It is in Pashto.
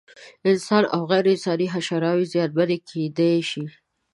انسان او غیر انساني حشراوې زیانمن کېدای شي.